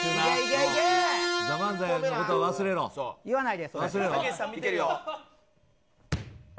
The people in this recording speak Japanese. いわないで！